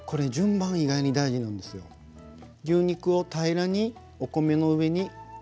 順番が意外に大事なんですが牛肉を平らにお米の上に。